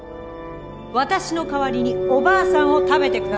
「私の代わりにおばあさんを食べて下さい」と。